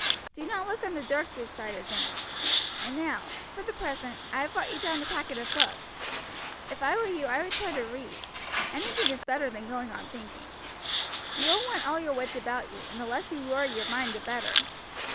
"Do not look on the darkest side of things. And now, for the present, I have brought you down a packet of books. If I were you I would try to read anything is better than going on thinking. You will want all your wits about you, and the less you worry your mind the better.